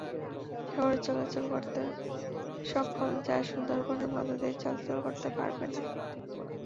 সাগরে চলাচল করতে সক্ষম জাহাজ সুন্দরবনের মধ্য দিয়ে চলাচল করতে পারবে না।